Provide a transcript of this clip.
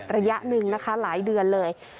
ระยะหนึ่งนะคะหลายเดือนเลย